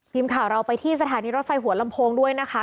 ทีมข่าวเราไปที่สถานีรถไฟหัวลำโพงด้วยนะคะ